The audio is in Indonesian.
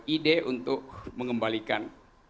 ide untuk mengembalikan